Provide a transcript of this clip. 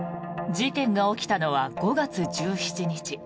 事件が起きたのは５月１７日。